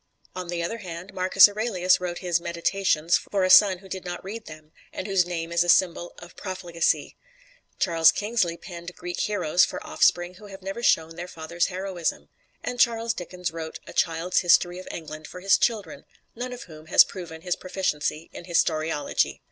On the other hand, Marcus Aurelius wrote his "Meditations" for a son who did not read them, and whose name is a symbol of profligacy; Charles Kingsley penned "Greek Heroes" for offspring who have never shown their father's heroism; and Charles Dickens wrote "A Child's History of England" for his children none of whom has proven his proficiency in historiology.